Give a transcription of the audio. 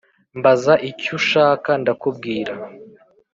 Mbaza icy ushaka ndakubwira